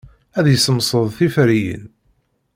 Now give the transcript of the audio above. Ad yessemsed tiferyin.